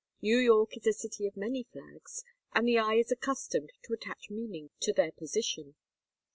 New York is a city of many flags, and the eye is accustomed to attach meaning to their position.